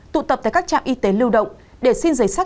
tụ tập tại các trạm y tế lưu động